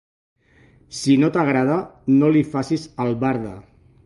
Si no t'agrada, no li facis albarda.